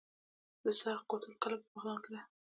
د سرخ کوتل کلا په بغلان کې ده